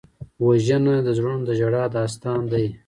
وژنه د زړونو د ژړا داستان دی